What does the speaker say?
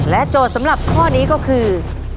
โจทย์สำหรับข้อนี้ก็คือ